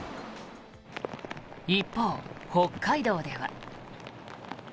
一方、北海道では。